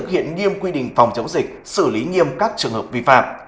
thực hiện nghiêm quy định phòng chống dịch xử lý nghiêm các trường hợp vi phạm